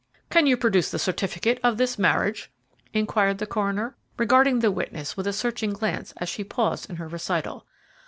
"Can you produce the certificate of this marriage?" inquired the coroner, regarding the witness with a searching glance as she paused in her recital.